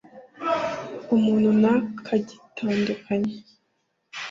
umuntu ntakagitandukanye